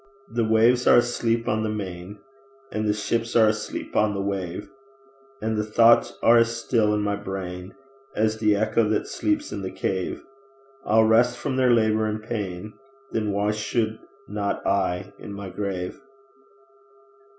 The waves are asleep on the main, And the ships are asleep on the wave; And the thoughts are as still in my brain As the echo that sleeps in the cave; All rest from their labour and pain Then why should not I in my grave?